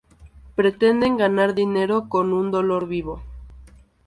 Pretenden ganar dinero con un dolor vivo".